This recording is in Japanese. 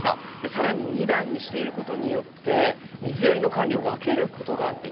さらに２段にしていることによって水やりの管理を分けることができます。